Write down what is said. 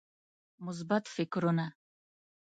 مثبت فکرونه